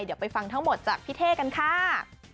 เดี๋ยวไปฟังทั้งหมดจากพี่เท่กันค่ะ